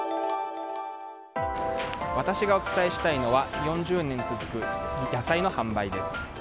私がお伝えしたいのは４０年続く野菜の販売です。